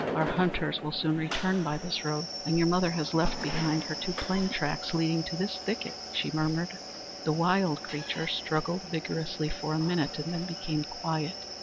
Our hunters will soon return by this road, and your mother has left behind her two plain tracks leading to this thicket," she murmured. The wild creature struggled vigorously for a minute, and then became quiet.